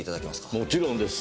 もちろんです。